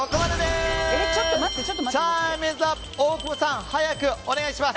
大久保さん、早くお願いします！